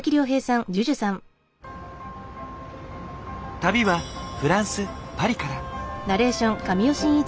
旅はフランスパリから。